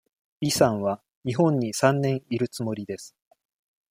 イさんは日本に三年いるつもりです。